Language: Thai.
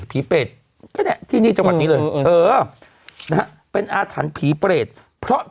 เปรตก็เนี่ยที่นี่จังหวัดนี้เลยเออนะฮะเป็นอาถรรพ์ผีเปรตเพราะ